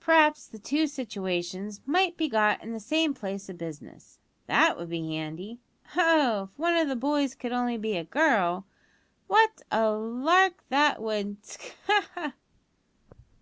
"P'raps the two situations might be got in the same place o' business; that would be handy! Oh! if one o' the boys could only be a girl, what a lark that would sk! ha! ha!"